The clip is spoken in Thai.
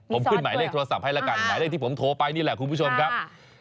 ผมขึ้นหมายเลขโทรศัพท์ให้ละกันหมายเลขที่ผมโทรไปนี่แหละคุณผู้ชมครับ